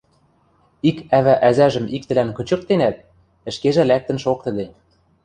Ик ӓвӓ ӓзӓжӹм иктӹлӓн кычыктенӓт, ӹшкежӹ лӓктӹн шоктыде.